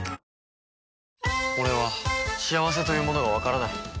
俺は幸せというものがわからない。